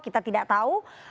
kita tidak tahu